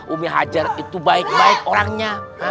umi hajar itu baik baik orangnya